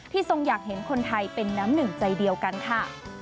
ทรงอยากเห็นคนไทยเป็นน้ำหนึ่งใจเดียวกันค่ะ